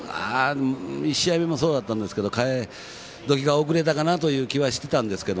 １試合目もそうだったんですけど代え時が遅れたかなという気がしてたんですけど